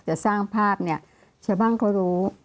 จะสร้างภาพบ้างก็รู้